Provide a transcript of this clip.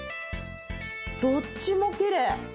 どっちもきれい！